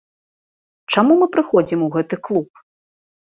Чаму мы прыходзім у гэты клуб?